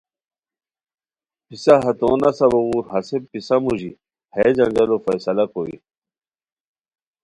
پِسہ ہتو نسہ بوغور، ہسے پسہ موژی ہیہ جنجالو فیصلہ کوئے